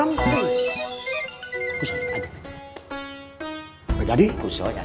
mas waits gih standar lichuk jauh mihah